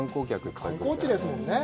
観光地ですもんね。